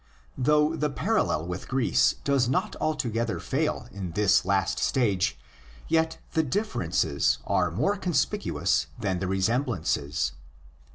Though the parallel with Greece does not altogether fail in this last stage, yet the differences are more conspicuous than the resemblances.